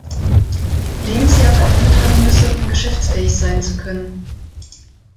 Lebensjahr vollendet haben müsse, um geschäftsfähig sein zu können.